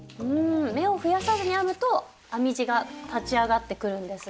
目を増やさずに編むと編み地が立ち上がってくるんですね。